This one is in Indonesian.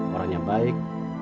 orang yang baik